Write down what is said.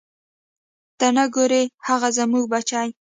ته نه ګورې هغه زموږ بچی.